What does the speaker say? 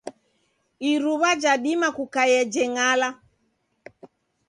Iruwa jadima kukaia jeng'ala.